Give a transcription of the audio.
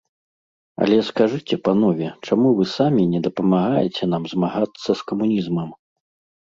Але скажыце, панове, чаму вы самі не дапамагаеце нам змагацца з камунізмам?